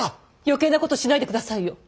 余計なことしないでくださいよ。